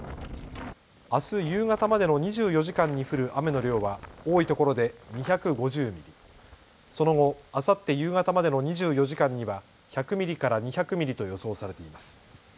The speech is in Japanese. あす夕方までの２４時間に降る雨の量は多いところで２５０ミリ、その後、あさって夕方までの２４時間には１００ミリから２００ミリと予想されています。